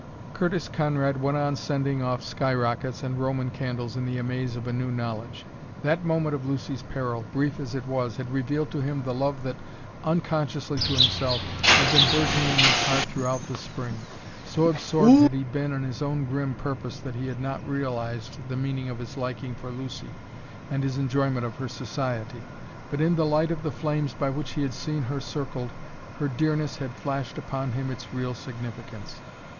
Curtis Conrad went on sending off sky rockets and Roman candles in the amaze of a new knowledge. That moment of Lucy's peril, brief as it was, had revealed to him the love that, unconsciously to himself, had been bourgeoning in his heart throughout the Spring. So absorbed had he been in his own grim purpose that he had not realized the meaning of his liking for Lucy and his enjoyment of her society. But in the light of the flames by which he had seen her circled her dearness had flashed upon him its real significance.